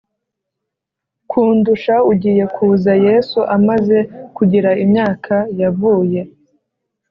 Kundusha ugiye kuza yesu amaze kugira imyaka yavuye